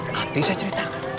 nanti saya ceritakan